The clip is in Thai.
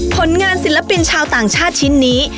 ผลงานศิลปินชาวต่างชาติชิ้นนี้